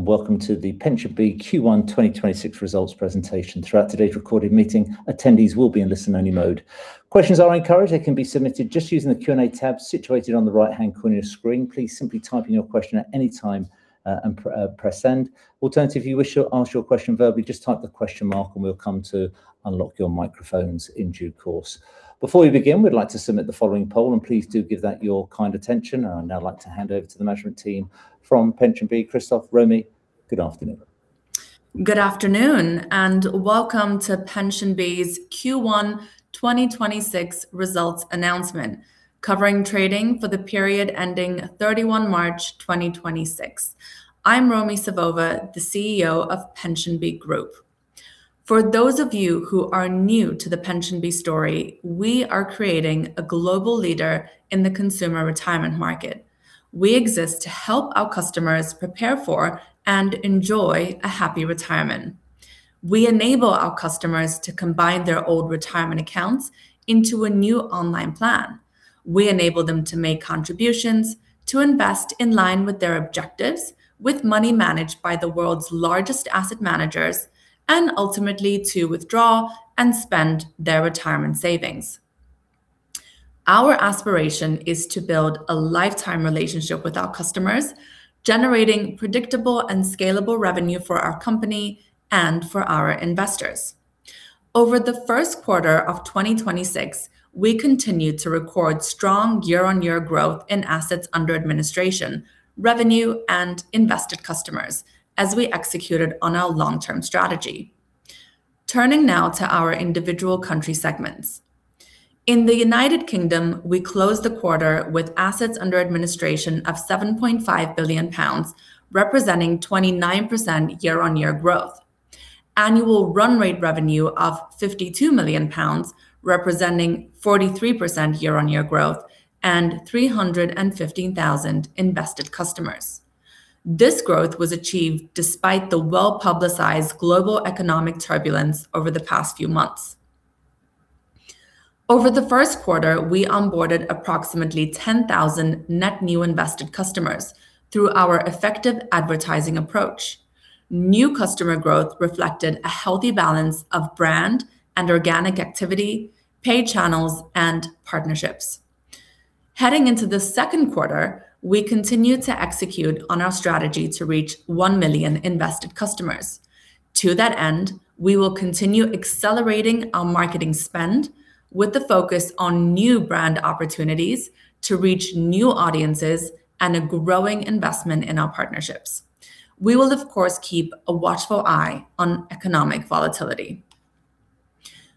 Welcome to the PensionBee Q1 2026 results presentation. Throughout today's recorded meeting, attendees will be in listen-only mode. Questions are encouraged. They can be submitted just using the Q&A tab situated on the right-hand corner of your screen. Please simply type in your question at any time and press send. Alternatively, if you wish to ask your question verbally, just type the question mark and we'll come to unlock your microphones in due course. Before we begin, we'd like to submit the following poll, and please do give that your kind attention. I would now like to hand over to the management team from PensionBee. Christoph, Romi, good afternoon. Good afternoon, and welcome to PensionBee's Q1 2026 results announcement, covering trading for the period ending 31 March 2026. I'm Romi Savova, the CEO of PensionBee Group. For those of you who are new to the PensionBee story, we are creating a global leader in the consumer retirement market. We exist to help our customers prepare for and enjoy a happy retirement. We enable our customers to combine their old retirement accounts into a new online plan. We enable them to make contributions, to invest in line with their objectives, with money managed by the world's largest asset managers, and ultimately to withdraw and spend their retirement savings. Our aspiration is to build a lifetime relationship with our customers, generating predictable and scalable revenue for our company and for our investors. Over the first quarter of 2026, we continued to record strong year-on-year growth in assets under administration, revenue, and Invested Customers as we executed on our long-term strategy. Turning now to our individual country segments. In the United Kingdom, we closed the quarter with assets under administration of 7.5 billion pounds, representing 29% year-on-year growth, annual run rate revenue of 52 million pounds, representing 43% year-on-year growth, and 315,000 Invested Customers. This growth was achieved despite the well-publicized global economic turbulence over the past few months. Over the first quarter, we onboarded approximately 10,000 net new Invested Customers through our effective advertising approach. New customer growth reflected a healthy balance of brand and organic activity, paid channels, and partnerships. Heading into the second quarter, we continued to execute on our strategy to reach 1 million Invested Customers. To that end, we will continue accelerating our marketing spend with the focus on new brand opportunities to reach new audiences and a growing investment in our partnerships. We will, of course, keep a watchful eye on economic volatility.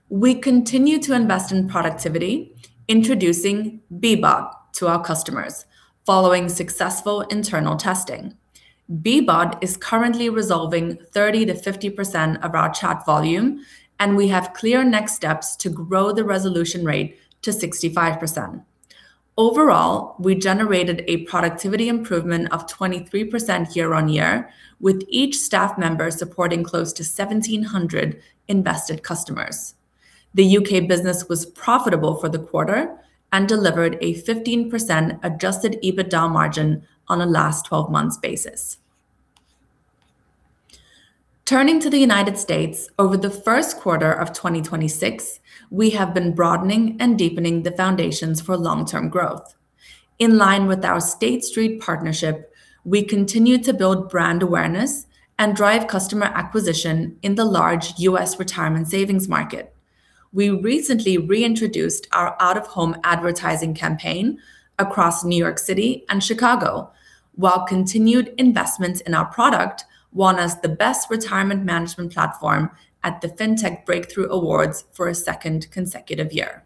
We continue to invest in productivity, introducing BeeBot to our customers following successful internal testing. BeeBot is currently resolving 30%-50% of our chat volume, and we have clear next steps to grow the resolution rate to 65%. Overall, we generated a productivity improvement of 23% year-on-year with each staff member supporting close to 1,700 Invested Customers. The U.K. business was profitable for the quarter and delivered a 15% adjusted EBITDA margin on a last 12 months basis. Turning to the United States, over the first quarter of 2026, we have been broadening and deepening the foundations for long-term growth. In line with our State Street partnership, we continued to build brand awareness and drive customer acquisition in the large U.S. retirement savings market. We recently reintroduced our out-of-home advertising campaign across New York City and Chicago, while continued investments in our product won us the Best Retirement Management Platform at the Fintech Breakthrough Awards for a second consecutive year.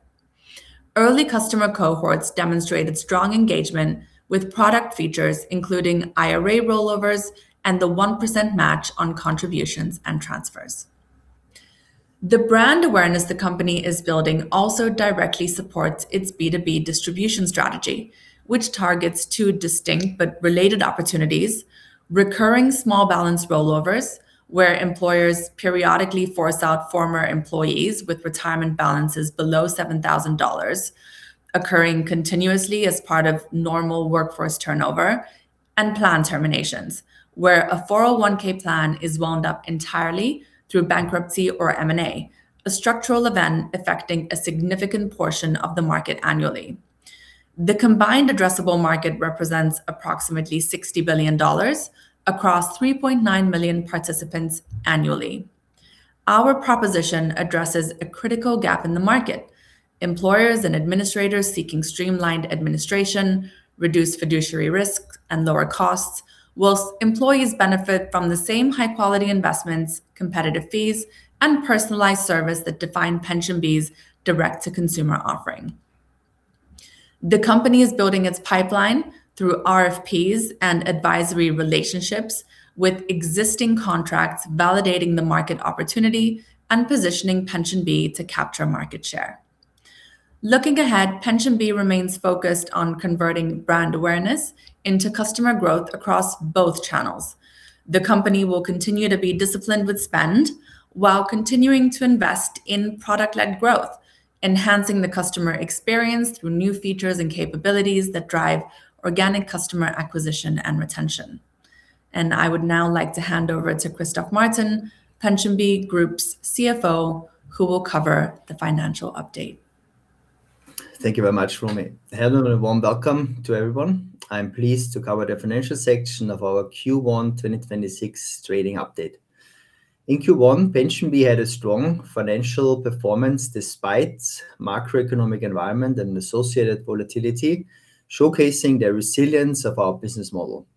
Early customer cohorts demonstrated strong engagement with product features, including IRA rollovers and the 1% match on contributions and transfers. The brand awareness the company is building also directly supports its B2B distribution strategy. Which targets two distinct but related opportunities, recurring small balance rollovers, where employers periodically force out former employees with retirement balances below $7,000 occurring continuously as part of normal workforce turnover, and plan terminations, where a 401 plan is wound up entirely through bankruptcy or M&A, a structural event affecting a significant portion of the market annually. The combined addressable market represents approximately $60 billion across 3.9 million participants annually. Our proposition addresses a critical gap in the market. Employers and administrators seeking streamlined administration, reduced fiduciary risks, and lower costs, while employees benefit from the same high-quality investments, competitive fees, and personalized service that define PensionBee's direct-to-consumer offering. The company is building its pipeline through RFPs and advisory relationships with existing contracts validating the market opportunity and positioning PensionBee to capture market share. Looking ahead, PensionBee remains focused on converting brand awareness into customer growth across both channels. The company will continue to be disciplined with spend while continuing to invest in product-led growth, enhancing the customer experience through new features and capabilities that drive organic customer acquisition and retention. I would now like to hand over to Christoph Martin, PensionBee Group's CFO, who will cover the financial update. Thank you very much, Romi. Hello, and a warm welcome to everyone. I'm pleased to cover the financial section of our Q1 2026 Trading Update. In Q1, PensionBee had a strong financial performance despite macroeconomic environment and associated volatility, showcasing the resilience of our business model.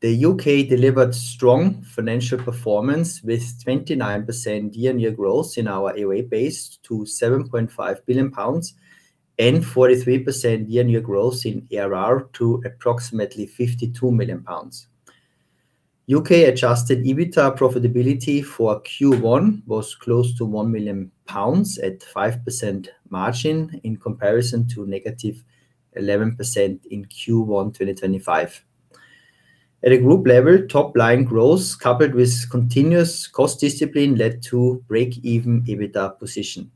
The U.K. delivered strong financial performance with 29% year-over-year growth in our AUA base to 7.5 billion pounds and 43% year-over-year growth in ARR to approximately 52 million pounds. U.K. adjusted EBITDA profitability for Q1 was close to 1 million pounds at 5% margin in comparison to 11%- in Q1 2025. At a group level, top line growth, coupled with continuous cost discipline, led to break-even EBITDA position.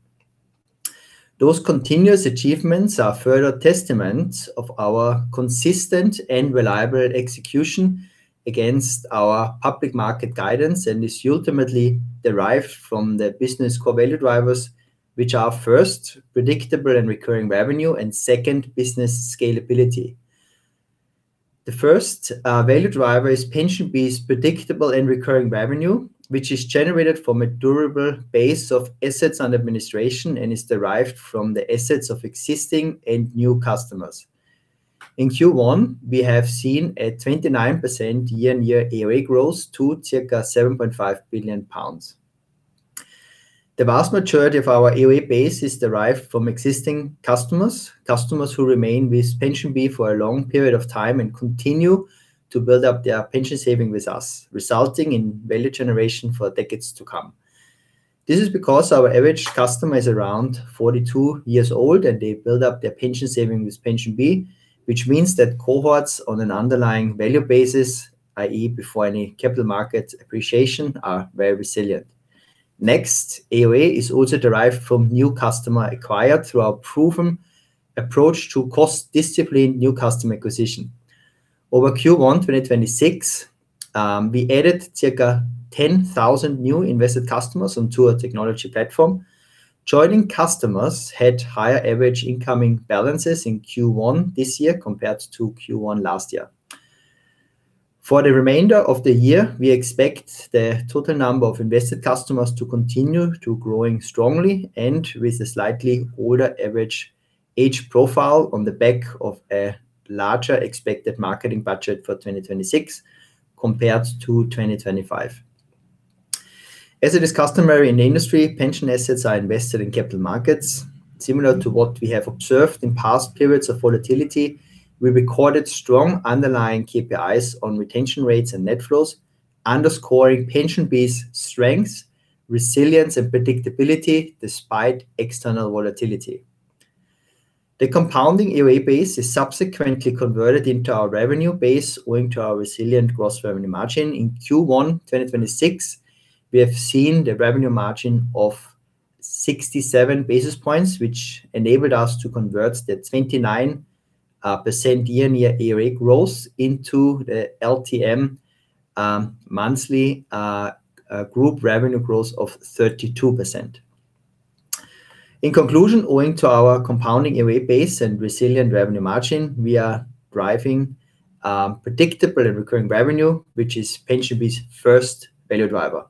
Those continuous achievements are further testament of our consistent and reliable execution against our public market guidance, and is ultimately derived from the business core value drivers, which are, first, predictable and recurring revenue, and second, business scalability. The first value driver is PensionBee's predictable and recurring revenue, which is generated from a durable base of assets under administration and is derived from the assets of existing and new customers. In Q1, we have seen a 29% year-on-year AUA growth to circa 7.5 billion pounds. The vast majority of our AUA base is derived from existing customers who remain with PensionBee for a long period of time and continue to build up their pension saving with us, resulting in value generation for decades to come. This is because our average customer is around 42 years old, and they build up their pension saving with PensionBee, which means that cohorts on an underlying value basis, i.e., before any capital market appreciation, are very resilient. Next, AUA is also derived from new customers acquired through our proven approach to cost-disciplined new customer acquisition. Over Q1 2026, we added circa 10,000 new Invested Customers onto our technology platform. Joining customers had higher average incoming balances in Q1 this year compared to Q1 last year. For the remainder of the year, we expect the total number of Invested Customers to continue to growing strongly and with a slightly older average age profile on the back of a larger expected marketing budget for 2026 compared to 2025. As it is customary in the industry, pension assets are invested in capital markets. Similar to what we have observed in past periods of volatility, we recorded strong underlying KPIs on retention rates and net flows, underscoring PensionBee's strengths, resilience, and predictability despite external volatility. The compounding AUA base is subsequently converted into our revenue base owing to our resilient gross revenue margin. In Q1 2026, we have seen the revenue margin of 67 basis points, which enabled us to convert the 29% year-on-year AUA growth into the LTM monthly group revenue growth of 32%. In conclusion, owing to our compounding AUA base and resilient revenue margin, we are driving predictable and recurring revenue, which is PensionBee's first value driver.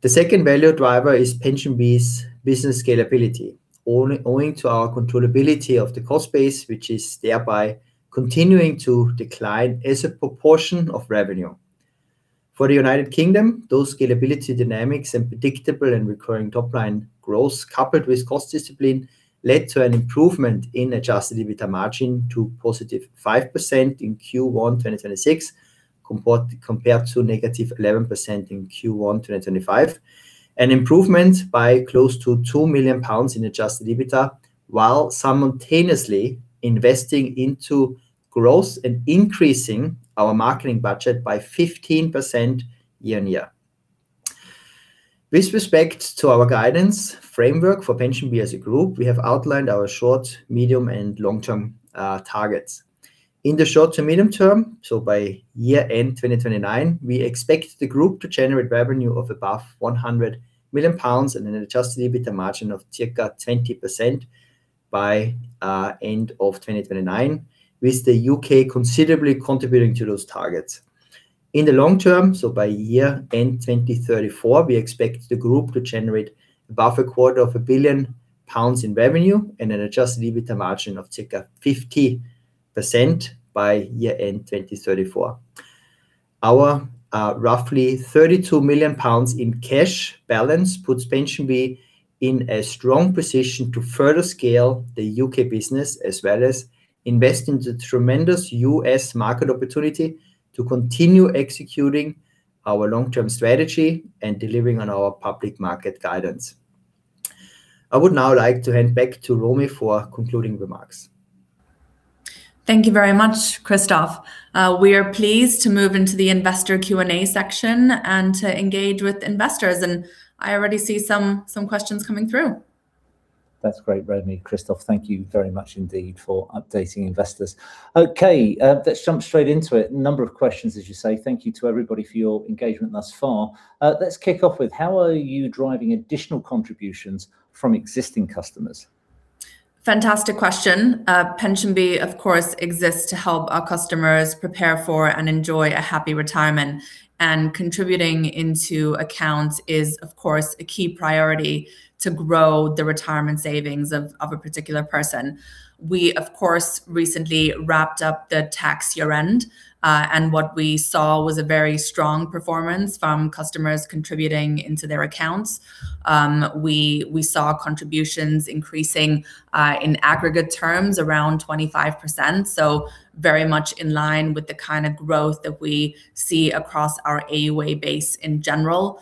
The second value driver is PensionBee's business scalability, owing to our controllability of the cost base, which is thereby continuing to decline as a proportion of revenue. For the United Kingdom, those scalability dynamics and predictable and recurring top-line growth, coupled with cost discipline, led to an improvement in adjusted EBITDA margin to positive 5% in Q1 2026, compared to negative 11% in Q1 2025. An improvement by close to 2 million pounds in adjusted EBITDA while simultaneously investing into growth and increasing our marketing budget by 15% year-on-year. With respect to our guidance framework for PensionBee as a group, we have outlined our short, medium, and long-term targets. In the short to medium term, so by year-end 2029, we expect the Group to generate revenue of above 100 million pounds and an adjusted EBITDA margin of circa 20% by end of 2029, with the U.K. considerably contributing to those targets. In the long term, so by year-end 2034, we expect the Group to generate above a quarter of a billion pounds in revenue and an adjusted EBITDA margin of circa 50% by year-end 2034. Our roughly 32 million pounds in cash balance puts PensionBee in a strong position to further scale the U.K. business, as well as invest in the tremendous U.S. market opportunity to continue executing our long-term strategy and delivering on our public market guidance. I would now like to hand back to Romi for concluding remarks. Thank you very much, Christoph. We are pleased to move into the investor Q&A section and to engage with investors, and I already see some questions coming through. That's great, Romi, Christoph, thank you very much indeed for updating investors. Okay, let's jump straight into it. A number of questions, as you say. Thank you to everybody for your engagement thus far. Let's kick off with, how are you driving additional contributions from existing customers? Fantastic question. PensionBee, of course, exists to help our customers prepare for and enjoy a happy retirement. Contributing into accounts is, of course, a key priority to grow the retirement savings of a particular person. We, of course, recently wrapped up the tax year-end, and what we saw was a very strong performance from customers contributing into their accounts. We saw contributions increasing in aggregate terms around 25%, so very much in line with the kind of growth that we see across our AUA base in general.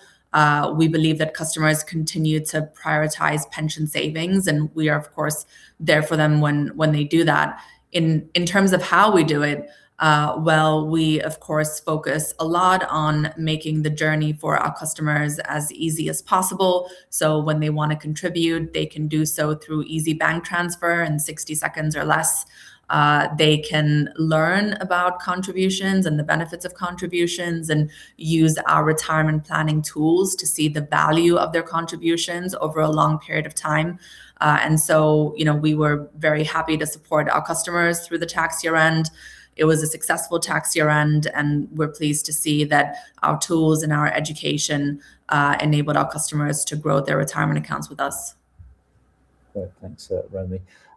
We believe that customers continue to prioritize pension savings, and we are, of course, there for them when they do that. In terms of how we do it, well, we, of course, focus a lot on making the journey for our customers as easy as possible. When they want to contribute, they can do so through easy bank transfer in 60 seconds or less. They can learn about contributions and the benefits of contributions and use our retirement planning tools to see the value of their contributions over a long period of time. We were very happy to support our customers through the tax year-end. It was a successful tax year-end, and we're pleased to see that our tools and our education enabled our customers to grow their retirement accounts with us. Great. Thanks,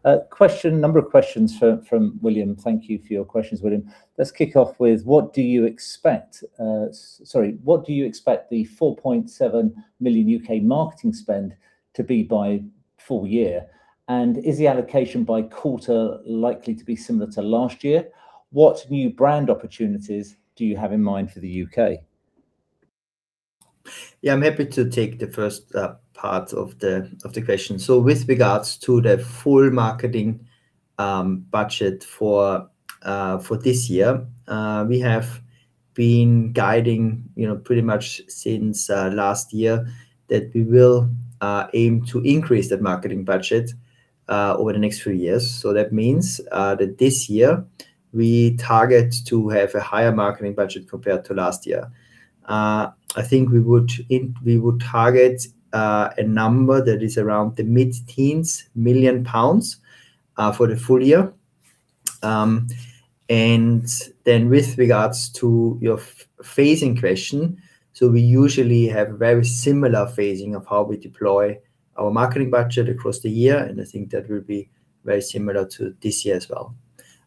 Romi. A number of questions from William. Thank you for your questions, William. Let's kick off with, what do you expect the 4.7 million U.K. marketing spend to be by full year, and is the allocation by quarter likely to be similar to last year? What new brand opportunities do you have in mind for the U.K.? Yeah, I'm happy to take the first part of the question. With regards to the full marketing budget for this year, we have been guiding pretty much since last year that we will aim to increase that marketing budget over the next few years. That means that this year we target to have a higher marketing budget compared to last year. I think we would target a number that is around the mid-teens million GBP for the full year. With regards to your phasing question, we usually have very similar phasing of how we deploy our marketing budget across the year, and I think that will be very similar to this year as well.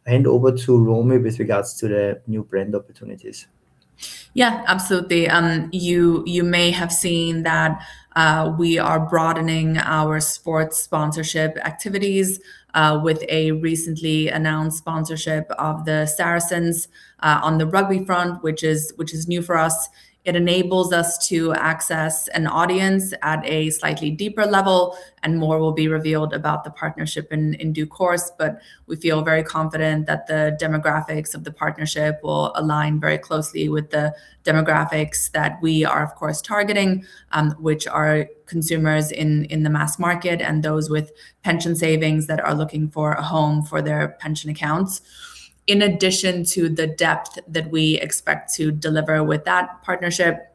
Hand over to Romi with regards to the new brand opportunities. Yeah, absolutely. You may have seen that we are broadening our sports sponsorship activities with a recently announced sponsorship of the Saracens on the rugby front, which is new for us. It enables us to access an audience at a slightly deeper level, and more will be revealed about the partnership in due course, but we feel very confident that the demographics of the partnership will align very closely with the demographics that we are, of course, targeting, which are consumers in the mass market and those with pension savings that are looking for a home for their pension accounts. In addition to the depth that we expect to deliver with that partnership,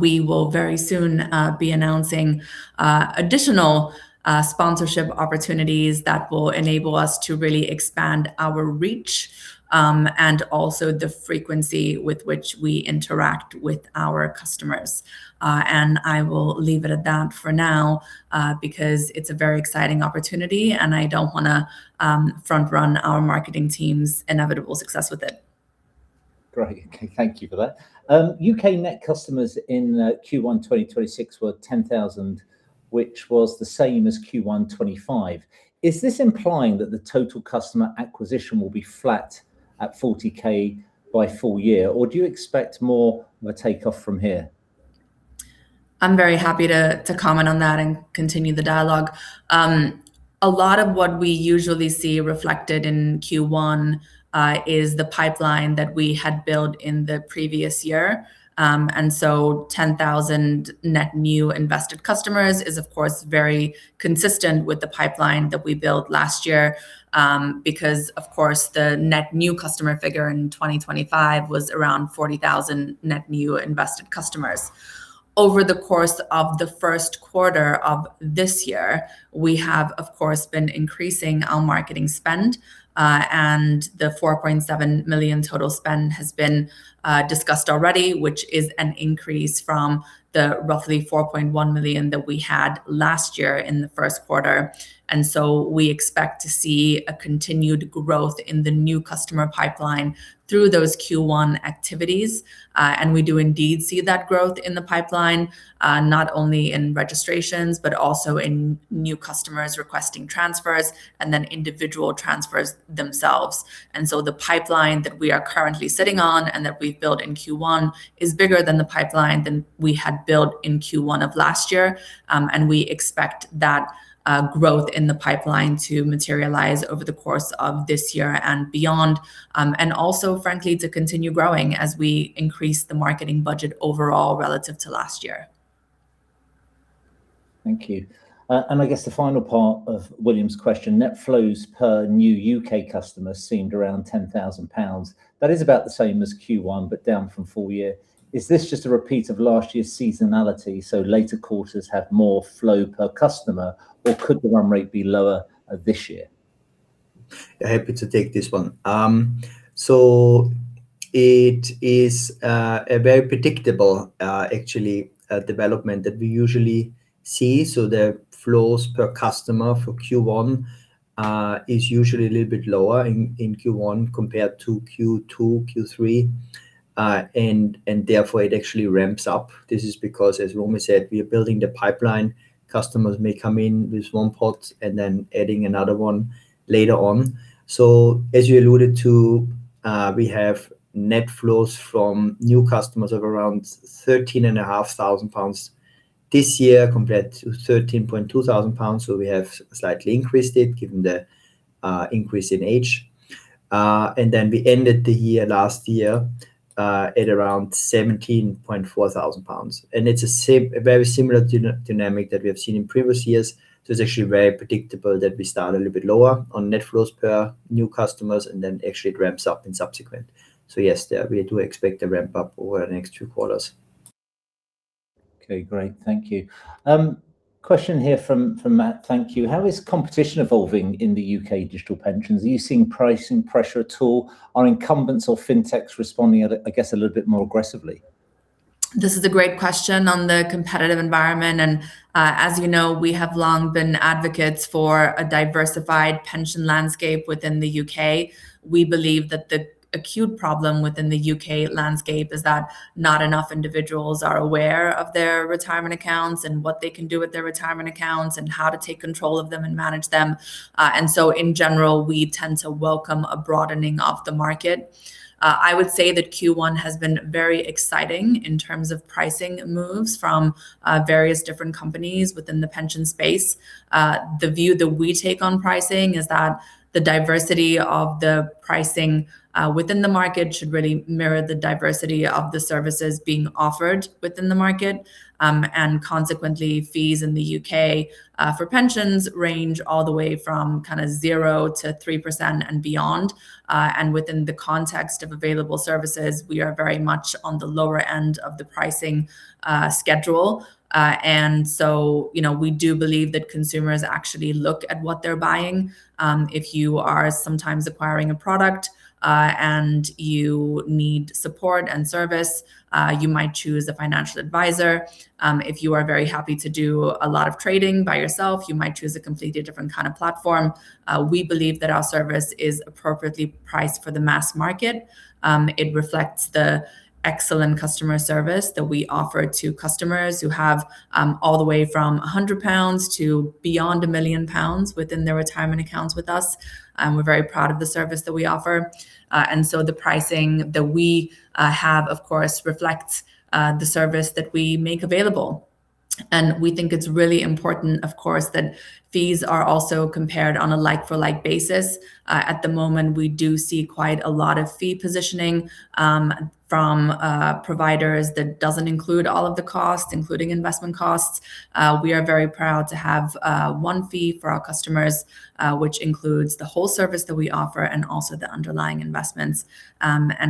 we will very soon be announcing additional sponsorship opportunities that will enable us to really expand our reach and also the frequency with which we interact with our customers. I will leave it at that for now, because it's a very exciting opportunity, and I don't want to front-run our marketing team's inevitable success with it. Great. Okay, thank you for that. U.K. net customers in Q1 2026 were 10,000, which was the same as Q1 2025. Is this implying that the total customer acquisition will be flat at 40,000 by full year, or do you expect more of a takeoff from here? I'm very happy to comment on that and continue the dialogue. A lot of what we usually see reflected in Q1 is the pipeline that we had built in the previous year. 10,000 net new Invested Customers is, of course, very consistent with the pipeline that we built last year, because, of course, the net new customer figure in 2025 was around 40,000 net new Invested Customers. Over the course of the first quarter of this year, we have, of course, been increasing our marketing spend, and the 4.7 million total spend has been discussed already, which is an increase from the roughly 4.1 million that we had last year in the first quarter. We expect to see a continued growth in the new customer pipeline through those Q1 activities. We do indeed see that growth in the pipeline, not only in registrations, but also in new customers requesting transfers and then individual transfers themselves. The pipeline that we are currently sitting on and that we've built in Q1 is bigger than the pipeline that we had built in Q1 of last year. We expect that growth in the pipeline to materialize over the course of this year and beyond, and also, frankly, to continue growing as we increase the marketing budget overall relative to last year. Thank you. I guess the final part of William's question, net flows per new U.K. customer seemed around 10,000 pounds. That is about the same as Q1, but down from full year. Is this just a repeat of last year's seasonality, so later quarters have more flow per customer, or could the run rate be lower this year? Happy to take this one. It is a very predictable, actually, development that we usually see. The flows per customer for Q1 is usually a little bit lower in Q1 compared to Q2, Q3. Therefore it actually ramps up. This is because, as Romi said, we are building the pipeline. Customers may come in with one pot and then adding another one later on. As you alluded to, we have net flows from new customers of around 13,500 pounds this year compared to 13,200 pounds. We have slightly increased it given the increase in age. Then we ended the year last year at around 17,400 pounds. It's a very similar dynamic that we have seen in previous years. It's actually very predictable that we start a little bit lower on net flows per new customers, and then actually it ramps up in subsequent. Yes, we do expect to ramp up over the next two quarters. Okay, great. Thank you. Question here from Matt. Thank you. How is competition evolving in the U.K. digital pensions? Are you seeing pricing pressure at all on incumbents or fintechs responding at, I guess, a little bit more aggressively? This is a great question on the competitive environment. As you know, we have long been advocates for a diversified pension landscape within the U.K. We believe that the acute problem within the U.K. landscape is that not enough individuals are aware of their retirement accounts and what they can do with their retirement accounts and how to take control of them and manage them. In general, we tend to welcome a broadening of the market. I would say that Q1 has been very exciting in terms of pricing moves from various different companies within the pension space. The view that we take on pricing is that the diversity of the pricing within the market should really mirror the diversity of the services being offered within the market. Consequently, fees in the U.K. for pensions range all the way from 0% to 3% and beyond. Within the context of available services, we are very much on the lower end of the pricing schedule. We do believe that consumers actually look at what they're buying. If you are sometimes acquiring a product, and you need support and service, you might choose a financial advisor. If you are very happy to do a lot of trading by yourself, you might choose a completely different kind of platform. We believe that our service is appropriately priced for the mass market. It reflects the excellent customer service that we offer to customers who have all the way from 100 pounds to beyond 1 million pounds within their retirement accounts with us. We're very proud of the service that we offer. The pricing that we have, of course, reflects the service that we make available. We think it's really important, of course, that fees are also compared on a like-for-like basis. At the moment, we do see quite a lot of fee positioning from providers that doesn't include all of the costs, including investment costs. We are very proud to have one fee for our customers, which includes the whole service that we offer and also the underlying investments.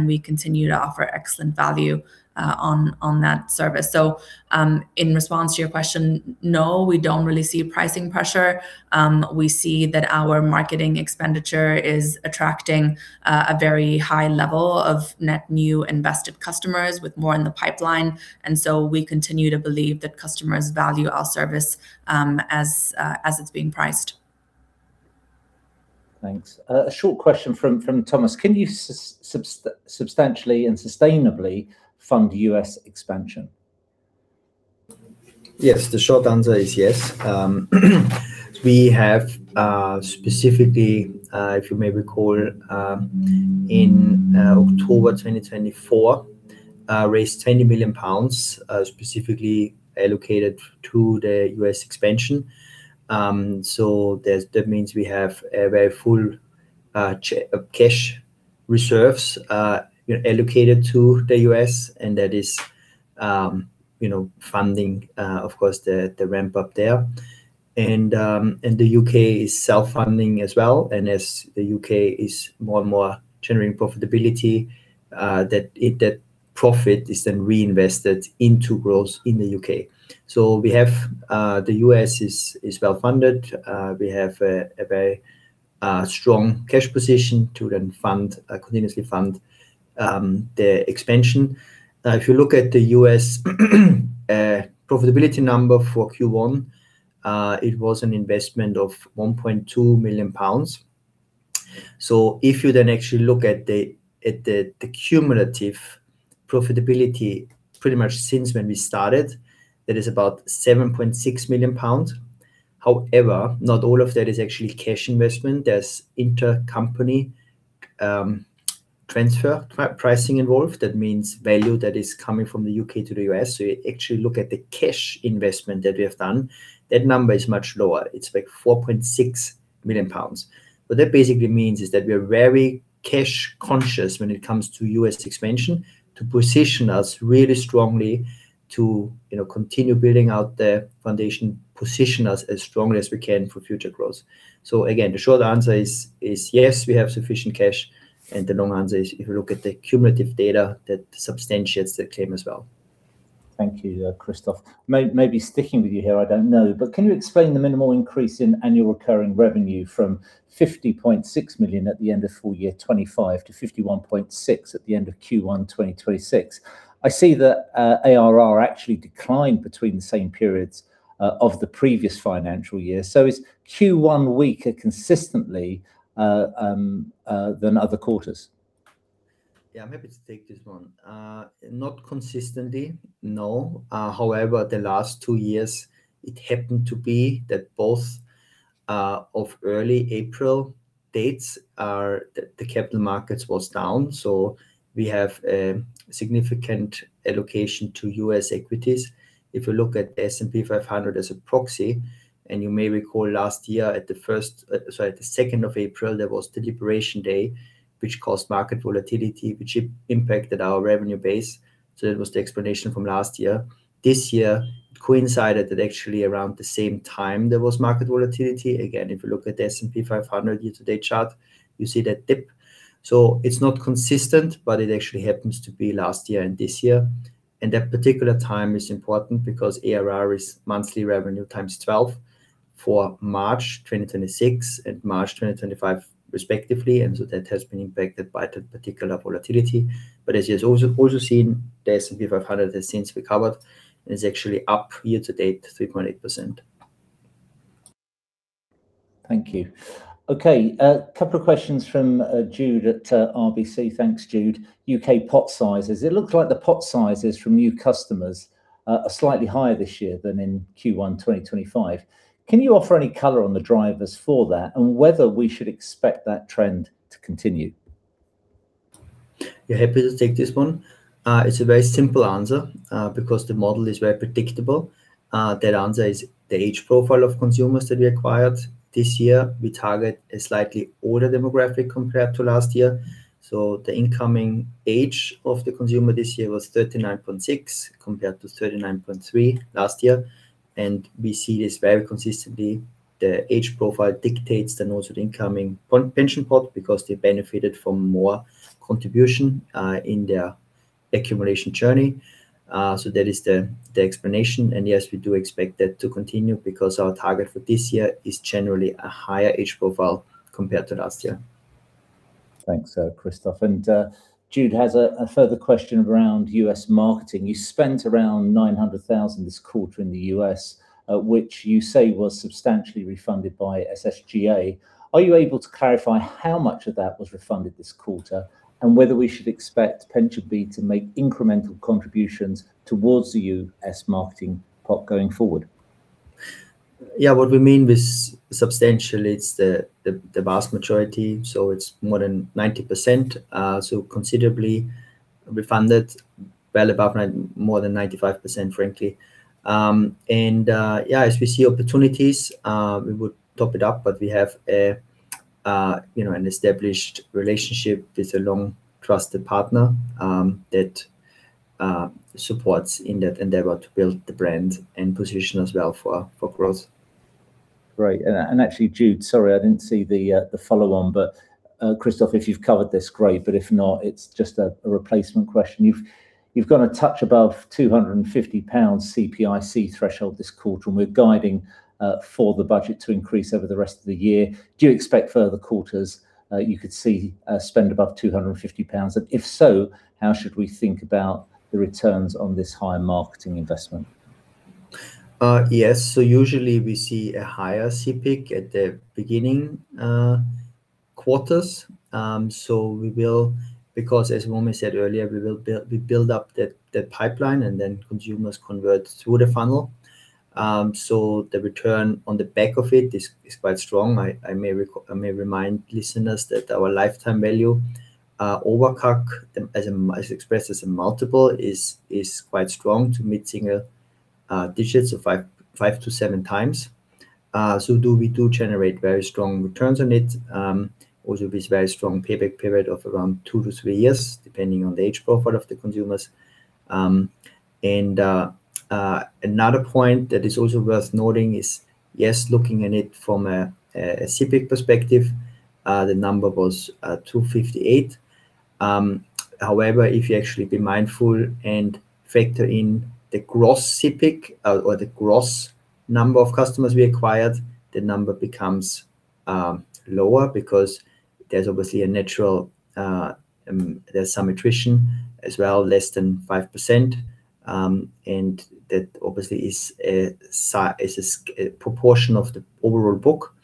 We continue to offer excellent value on that service. In response to your question, no, we don't really see pricing pressure. We see that our marketing expenditure is attracting a very high level of net new Invested Customers with more in the pipeline. We continue to believe that customers value our service as it's being priced. Thanks. A short question from Thomas. Can you substantially and sustainably fund US expansion? Yes, the short answer is yes. We have specifically, if you may recall, in October 2024, raised 20 million pounds, specifically allocated to the U.S. expansion. That means we have very full cash reserves allocated to the U.S., and that is funding, of course, the ramp-up there. The U.K. is self-funding as well. As the U.K. is more and more generating profitability, that profit is then reinvested into growth in the U.K. We have the U.S. is well funded. We have a very strong cash position to continuously fund the expansion. If you look at the U.S. profitability number for Q1, it was an investment of 1.2 million pounds. If you then actually look at the cumulative profitability, pretty much since when we started, that is about 7.6 million pounds. However, not all of that is actually cash investment. There's intercompany transfer pricing involved, that means value that is coming from the U.K. to the U.S. We actually look at the cash investment that we have done. That number is much lower. It's 4.6 million pounds. What that basically means is that we are very cash conscious when it comes to U.S. expansion to position us really strongly to continue building out the foundation, position us as strongly as we can for future growth. Again, the short answer is yes, we have sufficient cash, and the long answer is if you look at the cumulative data, that substantiates the claim as well. Thank you, Christoph. Maybe sticking with you here, I don't know, but can you explain the minimal increase in annual recurring revenue from 50.6 million at the end of full year 2025 to 51.6 million at the end of Q1 2026? I see the ARR actually declined between the same periods of the previous financial year. Is Q1 weaker consistently than other quarters? Yeah. I'm happy to take this one. Not consistently, no. However, the last two years it happened to be that both of the early April dates, the capital markets were down. We have a significant allocation to U.S. equities. If you look at S&P 500 as a proxy, and you may recall last year at the 2nd of April, there was the Liberation Day, which caused market volatility, which impacted our revenue base. That was the explanation from last year. This year it coincided that actually around the same time, there was market volatility. Again, if you look at the S&P 500 year-to-date chart, you see that dip. It's not consistent, but it actually happens to be last year and this year. That particular time is important because ARR is monthly revenue times 12 for March 2026 and March 2025 respectively. That has been impacted by that particular volatility. As you have also seen, the S&P 500 has since recovered and is actually up year to date 3.8%. Thank you. Okay. A couple of questions from Jude at RBC. Thanks, Jude. U.K. pot sizes. It looks like the pot sizes from new customers are slightly higher this year than in Q1 2025. Can you offer any color on the drivers for that and whether we should expect that trend to continue? Happy to take this one. It's a very simple answer because the model is very predictable. That answer is the age profile of consumers that we acquired. This year, we target a slightly older demographic compared to last year. The incoming age of the consumer this year was 39.6 compared to 39.3 last year. We see this very consistently. The age profile dictates and also the incoming pension pot because they benefited from more contribution in their accumulation journey. That is the explanation. Yes, we do expect that to continue because our target for this year is generally a higher age profile compared to last year. Thanks, Christoph. Jude has a further question around U.S. marketing. You spent around 900,000 this quarter in the U.S., which you say was substantially refunded by SSGA. Are you able to clarify how much of that was refunded this quarter and whether we should expect PensionBee to make incremental contributions towards the U.S. marketing pot going forward? Yeah. What we mean with substantial, it's the vast majority. It's more than 90%, so considerably funded well above more than 95%, frankly. As we see opportunities, we would top it up, but we have an established relationship with a long trusted partner that supports in that endeavor to build the brand and position as well for growth. Great. Actually, Jude, sorry, I didn't see the follow-on, but Christoph, if you've covered this, great, but if not, it's just a replacement question. You've gone a touch above 250 pounds CPIC threshold this quarter, and we're guiding for the budget to increase over the rest of the year. Do you expect further quarters you could see spend above 250 pounds? And if so, how should we think about the returns on this high marketing investment? Yes. Usually we see a higher CPIC at the beginning quarters. We will, because as Romi said earlier, we build up that pipeline and then consumers convert through the funnel. The return on the back of it is quite strong. I may remind listeners that our lifetime value over CAC, as expressed as a multiple, is quite strong to mid-single digits of 5x-7x. We do generate very strong returns on it, also with very strong payback period of around 2-3 years, depending on the age profile of the consumers. Another point that is also worth noting is, yes, looking at it from a CPIC perspective, the number was 258. However, if you actually be mindful and factor in the gross CPIC or the gross number of customers we acquired, the number becomes lower because there's some attrition as well, less than 5%, and that obviously is a proportion of the overall book.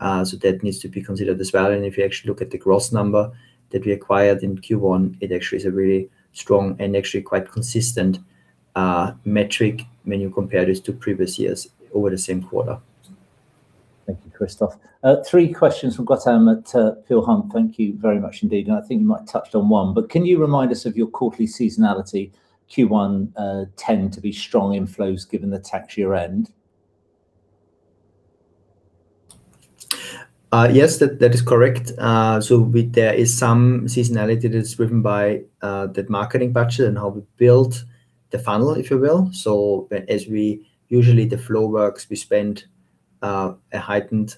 So that needs to be considered as well. If you actually look at the gross number that we acquired in Q1, it actually is a really strong and actually quite consistent metric when you compare this to previous years over the same quarter. Thank you, Christoph. Three questions from Gautam at Peel Hunt. Thank you very much indeed, and I think you might touched on one, but can you remind us of your quarterly seasonality. Q1 tend to be strong inflows given the tax year end? Yes, that is correct. There is some seasonality that is driven by that marketing budget and how we build the funnel, if you will. As usual the flow works, we spend a heightened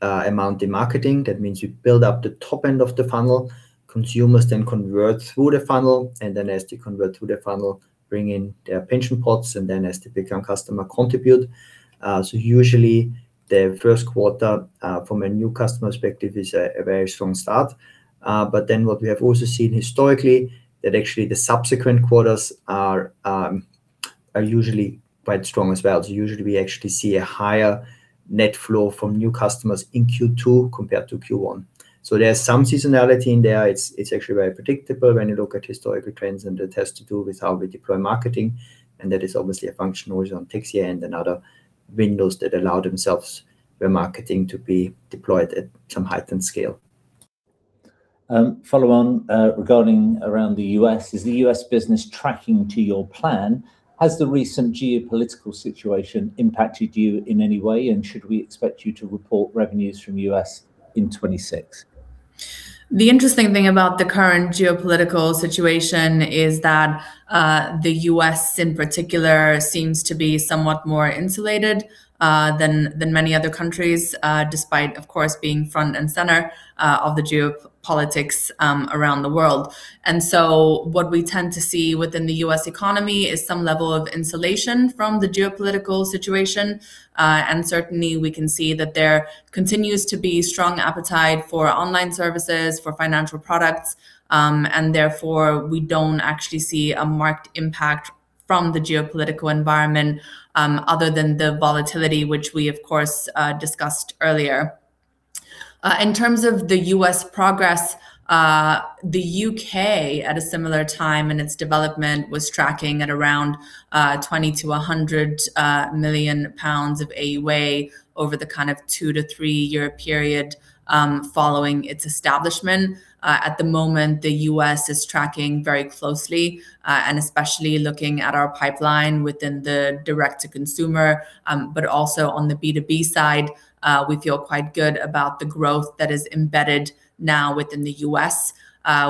amount in marketing. That means you build up the top end of the funnel, consumers then convert through the funnel, and then as they convert through the funnel, bring in their pension pots, and then as they become customer, contribute. Usually the first quarter, from a new customer perspective, is a very strong start. What we have also seen historically, that actually the subsequent quarters are usually quite strong as well. Usually we actually see a higher net flow from new customers in Q2 compared to Q1. There's some seasonality in there. It's actually very predictable when you look at historical trends, and that has to do with how we deploy marketing, and that is obviously a function always on tax year end and other windows that allow themselves where marketing to be deployed at some heightened scale. Follow on regarding around the U.S. Is the U.S. business tracking to your plan? Has the recent geopolitical situation impacted you in any way? Should we expect you to report revenues from U.S. in 2026? The interesting thing about the current geopolitical situation is that the U.S. in particular seems to be somewhat more insulated than many other countries, despite of course being front and center of the geopolitics around the world. What we tend to see within the U.S. economy is some level of insulation from the geopolitical situation. Certainly we can see that there continues to be strong appetite for online services, for financial products. Therefore, we don't actually see a marked impact from the geopolitical environment other than the volatility which we, of course, discussed earlier. In terms of the U.S. progress, the U.K. at a similar time in its development was tracking at around 20 million-100 million pounds of AUA over the kind of 2-3-year period following its establishment. At the moment, the U.S. is tracking very closely and especially looking at our pipeline within the direct to consumer. Also on the B2B side, we feel quite good about the growth that is embedded now within the U.S.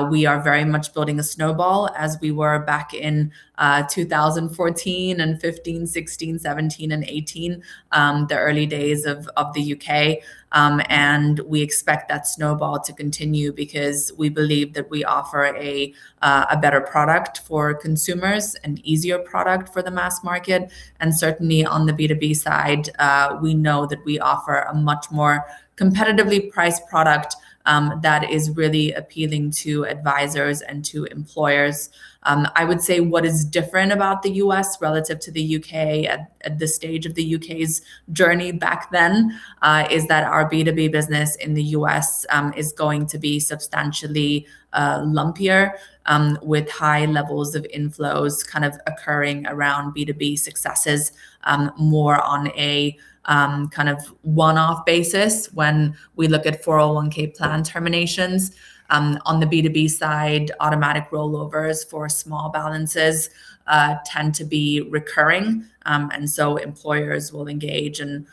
We are very much building a snowball as we were back in 2014 and 2015, 2016, 2017 and 2018, the early days of the U.K. We expect that snowball to continue because we believe that we offer a better product for consumers, an easier product for the mass market. Certainly on the B2B side, we know that we offer a much more competitively priced product that is really appealing to advisors and to employers. I would say what is different about the U.S. relative to the U.K. at this stage of the U.K.'s journey back then, is that our B2B business in the U.S. is going to be substantially lumpier with high levels of inflows kind of occurring around B2B successes, more on a kind of one-off basis when we look at 401(k) plan terminations. On the B2B side, automatic rollovers for small balances tend to be recurring. Employers will engage in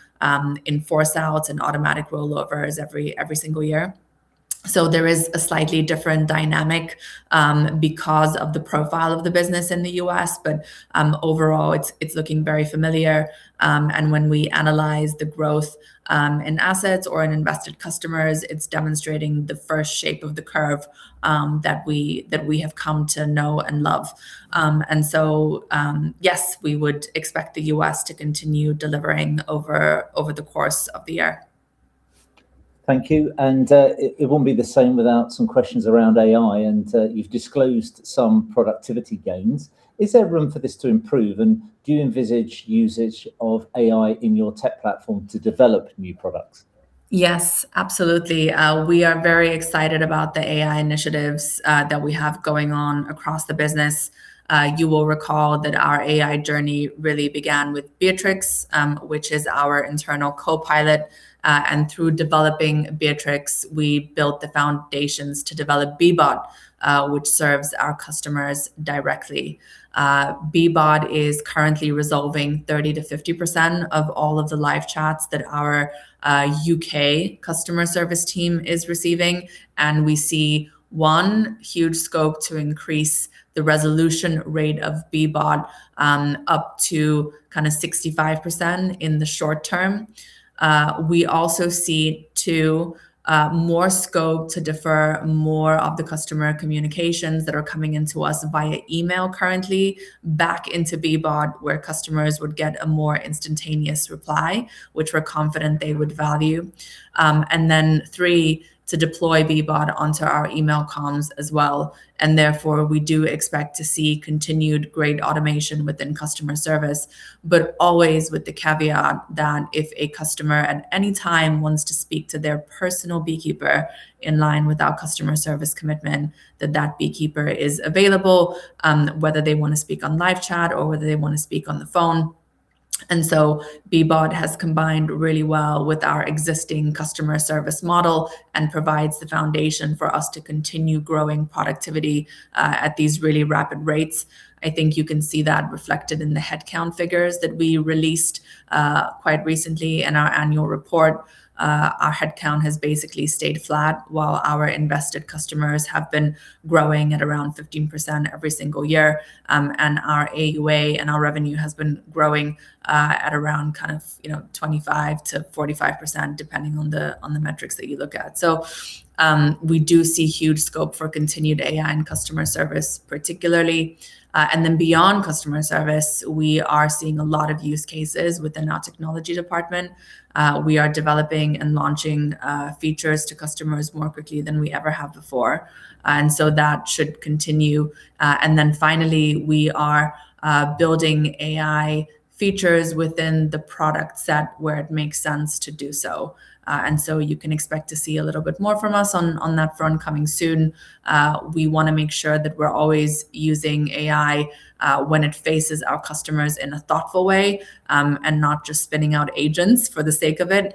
force outs and automatic rollovers every single year. There is a slightly different dynamic because of the profile of the business in the U.S., but overall it's looking very familiar. When we analyze the growth in assets or in Invested Customers, it's demonstrating the first shape of the curve that we have come to know and love. Yes, we would expect the U.S. to continue delivering over the course of the year. Thank you. It won't be the same without some questions around AI, and you've disclosed some productivity gains. Is there room for this to improve? Do you envisage usage of AI in your tech platform to develop new products? Yes, absolutely. We are very excited about the AI initiatives that we have going on across the business. You will recall that our AI journey really began with Beatrix, which is our internal copilot. Through developing Beatrix, we built the foundations to develop BeeBot, which serves our customers directly. BeeBot is currently resolving 30%-50% of all of the live chats that our U.K. customer service team is receiving. We see one huge scope to increase the resolution rate of BeeBot up to kind of 65% in the short term. We also see, two, more scope to defer more of the customer communications that are coming into us via email currently back into BeeBot, where customers would get a more instantaneous reply, which we're confident they would value. Three, to deploy BeeBot onto our email comms as well. Therefore, we do expect to see continued great automation within customer service, but always with the caveat that if a customer at any time wants to speak to their personal BeeKeeper in line with our customer service commitment, that BeeKeeper is available, whether they want to speak on live chat or whether they want to speak on the phone. BeeBot has combined really well with our existing customer service model and provides the foundation for us to continue growing productivity at these really rapid rates. I think you can see that reflected in the headcount figures that we released quite recently in our annual report. Our headcount has basically stayed flat while our Invested Customers have been growing at around 15% every single year. Our AUA and our revenue has been growing at around 25%-45%, depending on the metrics that you look at. We do see huge scope for continued AI and customer service particularly. Beyond customer service, we are seeing a lot of use cases within our technology department. We are developing and launching features to customers more quickly than we ever have before. That should continue. Finally, we are building AI features within the product set where it makes sense to do so. You can expect to see a little bit more from us on that front coming soon. We want to make sure that we're always using AI when it faces our customers in a thoughtful way, and not just spinning out agents for the sake of it.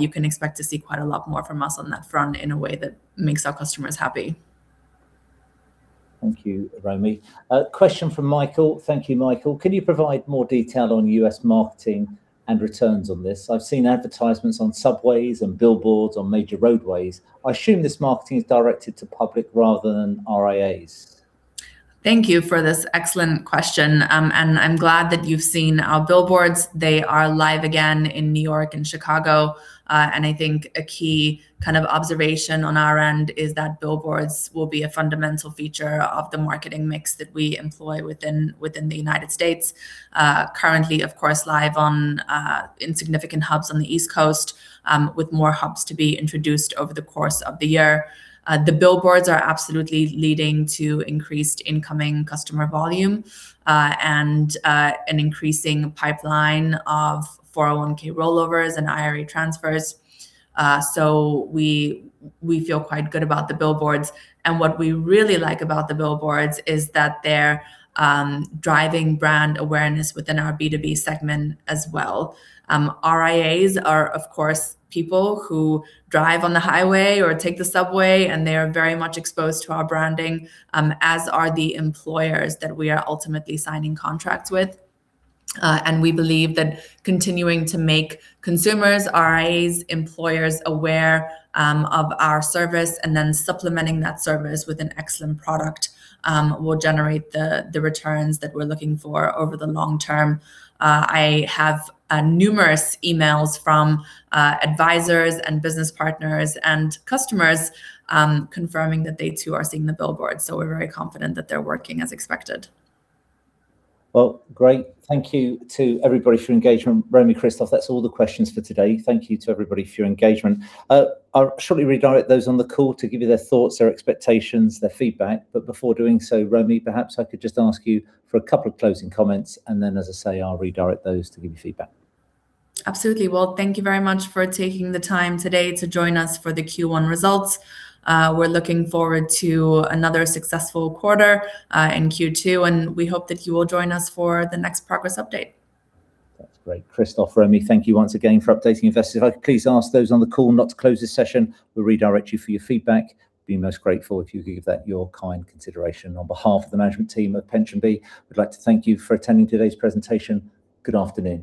You can expect to see quite a lot more from us on that front in a way that makes our customers happy. Thank you, Romi. A question from Michael. Thank you, Michael. Can you provide more detail on U.S. marketing and returns on this? I've seen advertisements on subways and billboards on major roadways. I assume this marketing is directed to public rather than RIAs. Thank you for this excellent question. I'm glad that you've seen our billboards. They are live again in New York and Chicago. I think a key observation on our end is that billboards will be a fundamental feature of the marketing mix that we employ within the United States. Currently, of course, we're live in significant hubs on the East Coast, with more hubs to be introduced over the course of the year. The billboards are absolutely leading to increased incoming customer volume, and an increasing pipeline of 401(k) rollovers and IRA transfers. We feel quite good about the billboards, and what we really like about the billboards is that they're driving brand awareness within our B2B segment as well. RIAs are, of course, people who drive on the highway or take the subway, and they are very much exposed to our branding, as are the employers that we are ultimately signing contracts with. We believe that continuing to make consumers, RIAs, employers aware of our service and then supplementing that service with an excellent product, will generate the returns that we're looking for over the long term. I have numerous emails from advisors and business partners and customers, confirming that they too are seeing the billboards, so we're very confident that they're working as expected. Well, great. Thank you to everybody for your engagement. Romi, Christoph, that's all the questions for today. Thank you to everybody for your engagement. I'll shortly redirect those on the call to give you their thoughts, their expectations, their feedback. Before doing so, Romi, perhaps I could just ask you for a couple of closing comments, and then, as I say, I'll redirect those to give you feedback. Absolutely. Well, thank you very much for taking the time today to join us for the Q1 results. We're looking forward to another successful quarter, in Q2, and we hope that you will join us for the next progress update. That's great. Christoph, Romi, thank you once again for updating investors. If I could please ask those on the call not to close this session. We'll redirect you for your feedback. Be most grateful if you could give that your kind consideration. On behalf of the management team at PensionBee, we'd like to thank you for attending today's presentation. Good afternoon.